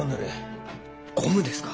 ゴムですか？